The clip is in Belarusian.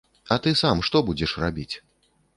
А ты сам што будзеш рабіць?